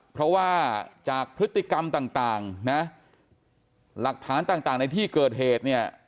เพราะว่าจากพฤติกรรมต่างนะหลักฐานต่างในที่เกิดเหตุเนี่ย